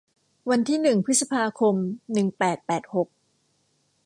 วันที่หนึ่งพฤษภาคม หนึ่งแปดแปดหก